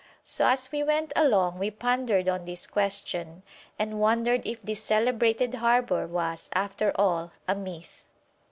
So as we went along we pondered on this question, and wondered if this celebrated harbour was, after all, a myth.